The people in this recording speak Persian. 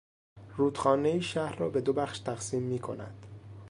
رودخانهای شهر را به دو بخش تقسیم میکند.